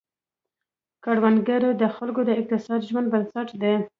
کروندګري د خلکو د اقتصادي ژوند بنسټ دی.